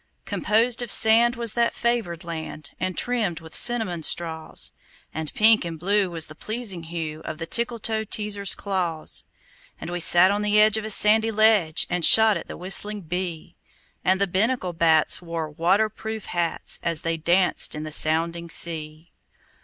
Composed of sand was that favored land, And trimmed with cinnamon straws; And pink and blue was the pleasing hue Of the Tickletoeteaser's claws. And we sat on the edge of a sandy ledge And shot at the whistling bee; And the Binnacle bats wore water proof hats As they danced in the sounding sea.